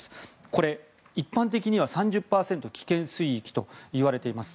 これ、一般的には３０％危険水域といわれています。